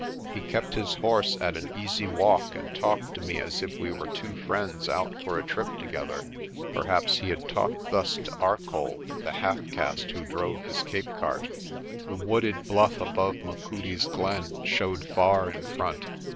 He kept his horse at an easy walk and talked to me as if we were two friends out for a trip together. Perhaps he had talked thus to Arcoll, the half caste who drove his Cape cart. The wooded bluff above Machudi's glen showed far in front.